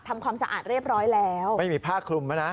ทำความสะอาดเรียบร้อยแล้วไม่มีผ้าคลุมแล้วนะ